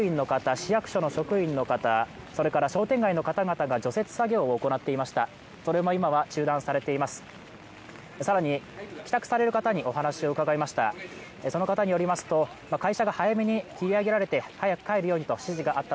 市役所の職員の方それから商店街の方々が除雪作業をされていました。